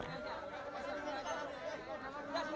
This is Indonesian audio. udah sini aja udah udah udah